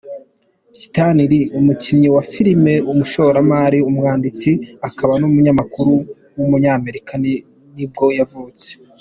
Stan Lee, umukinnyi wa filime, umushoramari, umwanditsi, akaba n’umunyamakuru w’umunyamerika nibwo yavutse.